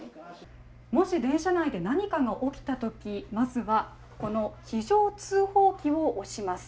もし、電車内で何かが起きたときまずはこの非常通報機を押します。